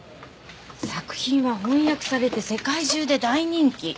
作品は翻訳されて世界中で大人気。